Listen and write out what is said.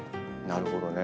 なるほどね。